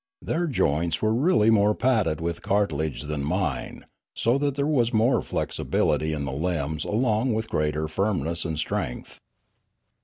Their joints were really more padded with cartilage than mine, so that there was more flexibility in the limbs along with greater firmness and strength.